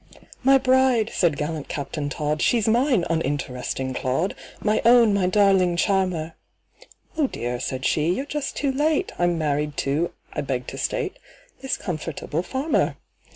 "My bride!" said gallant CAPTAIN TODD, "She's mine, uninteresting clod! My own, my darling charmer!" "Oh dear," said she, "you're just too late— I'm married to, I beg to state, This comfortable farmer!"